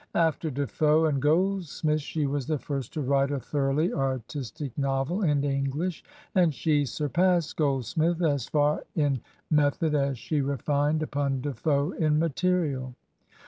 After De Foe and Gold smith she was the first to write a thoroughly artistic novel in English, and she surpassed Goldsmith as far in method as she refined upon De Foe in material.